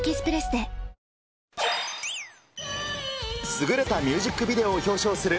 優れたミュージックビデオを表彰する